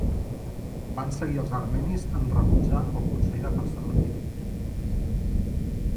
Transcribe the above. Van seguir els armenis en rebutjar el Consell de Calcedònia.